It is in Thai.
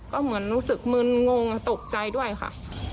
ก็เหมือนรู้สึกมึนงงตกใจด้วยค่ะ